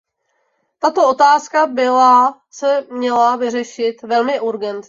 Tato otázka byla se měla vyřešit velmi urgentně.